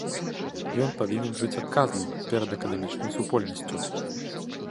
Ён павінен быць адказным перад акадэмічнай супольнасцю.